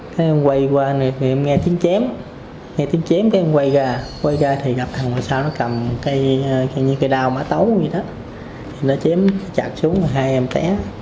chếm quay ra quay ra thì gặp thằng hồi sau nó cầm cái như cái đao má tấu vậy đó nó chếm chạc xuống hai em té